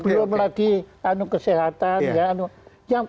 belum lagi kesehatan